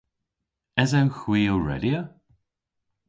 Esewgh hwi ow redya?